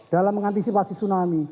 dalam mengantisipasi tsunami